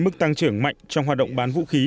mức tăng trưởng mạnh trong hoạt động bán vũ khí